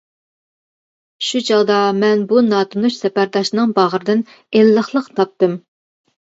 شۇ چاغدا مەن بۇ ناتونۇش سەپەرداشنىڭ باغرىدىن ئىللىقلىق تاپتىم.